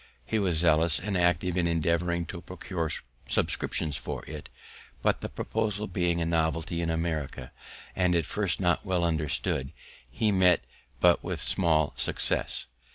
He was zealous and active in endeavouring to procure subscriptions for it, but the proposal being a novelty in America, and at first not well understood, he met but with small success.